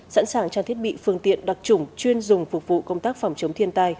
sẵn sàng trang thiết bị phương tiện đặc trùng chuyên dùng phục vụ công tác phòng chống thiên tai